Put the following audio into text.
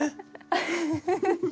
フフフ！